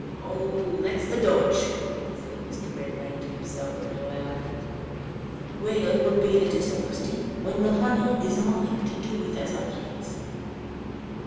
"Oh! that's the dodge!" said Mr. Redmain to himself; but aloud, "Where would be the dishonesty, when the money is mine to do with as I please?"